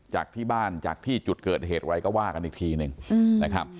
จากที่บ้านจากที่จุดเกิดเหตุอะไรก็ว่ากันอีกทีหนึ่งนะครับ